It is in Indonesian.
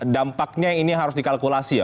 dampaknya ini harus dikalkulasi ya